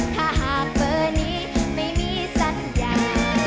ถ้าหากเบอร์นี้ไม่มีสัญญา